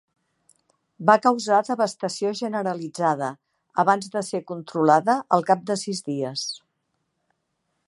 Va causar devastació generalitzada, abans de ser controlada al cap de sis dies.